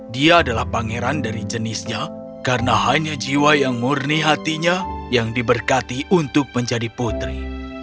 dia adalah pangeran dari jenisnya karena hanya jiwa yang murni hatinya yang diberkati untuk menjadi putri